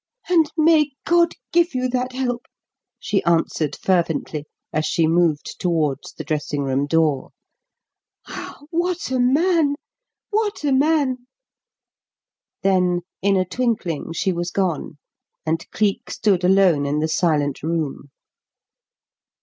"And may God give you that help!" she answered fervently as she moved towards the dressing room door. "Ah, what a man! what a man!" Then, in a twinkling she was gone, and Cleek stood alone in the silent room.